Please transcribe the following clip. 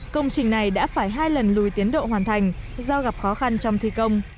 công trình này đã phải hai lần lùi tiến độ hoàn thành do gặp khó khăn trong thi công